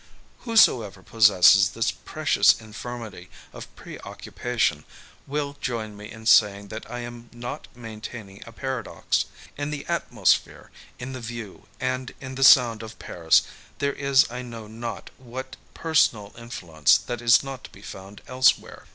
Whosoever possesses this precious infirmity of pre occu pation will join me in saying that I am not maintaining a paradox. In the atmosphere, in the view, and in the sound of Paris there is I know not what personal influence that is not to be found elsewhere.